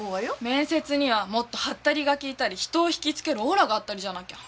面接にはもっとハッタリがきいたり人を引きつけるオーラがあったりじゃなきゃ。